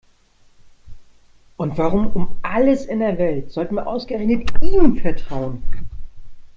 Und warum um alles in der Welt sollten wir ausgerechnet ihm vertrauen?